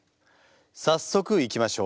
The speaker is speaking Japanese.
早速いきましょう。